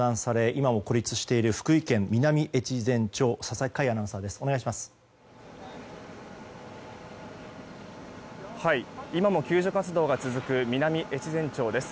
今も救助活動が続く南越前町です。